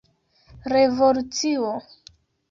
revolucio